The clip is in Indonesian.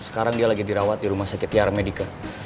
sekarang dia lagi dirawat di rumah sakit tiara medica